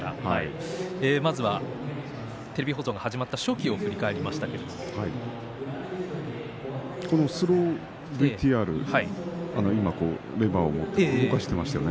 まずはテレビ放送が始まったこのスローＶＴＲ今レバーを持って動かしていましたね。